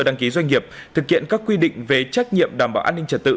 đăng ký doanh nghiệp thực hiện các quy định về trách nhiệm đảm bảo an ninh trật tự